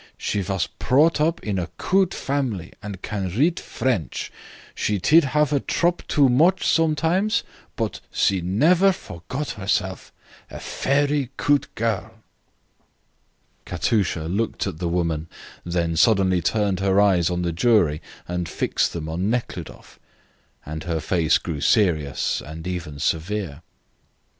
She was prought up in a coot family and can reat French. She tid have a trop too moch sometimes, put nefer forcot herself. A ferry coot girl." Katusha looked at the woman, then suddenly turned her eyes on the jury and fixed them on Nekhludoff, and her face grew serious and even severe.